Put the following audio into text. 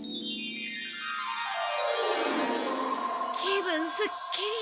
気分すっきり。